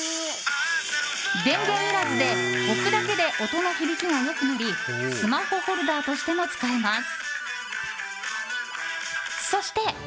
電源いらずで置くだけで音の響きが良くなりスマホホルダーとしても使えます。